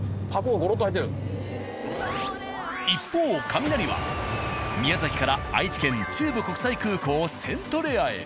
一方カミナリは宮崎から愛知県中部国際空港セントレアへ。